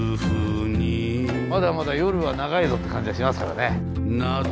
まだまだ夜は長いぞって感じがしますからね。